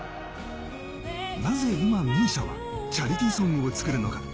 なぜ今、ＭＩＳＩＡはチャリティーソングを作るのか。